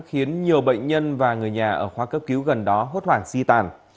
khiến nhiều bệnh nhân và người nhà ở khoa cấp cứu gần đó hốt hoảng si tàn